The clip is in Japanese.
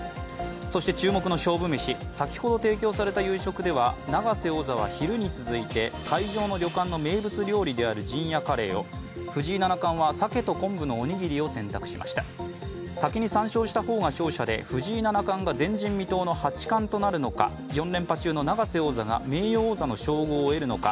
そして注目の勝負メシ、先ほど提供された夕食では永瀬王座は昼に続いて会場の名物料理である陣屋カレーを、藤井七冠は鮭と昆布のおにぎりを選択しました先に３勝した方が勝者で藤井七冠が前人未到の８冠となるのか４連覇中の永瀬王座が名誉王座の称号を得るのか、